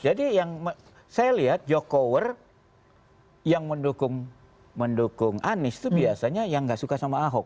jadi yang saya lihat jokower yang mendukung mendukung anies itu biasanya yang gak suka sama ahok